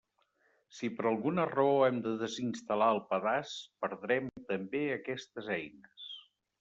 Si per alguna raó hem de desinstal·lar el pedaç, perdrem també aquestes eines.